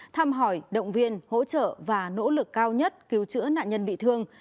thăm hỏi động viên hỗ trợ và nỗ lực cao nhất cứu chữa nạn nhân bị thương